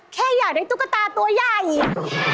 แค่อยากได้ตุ๊กตาตัวใหญ่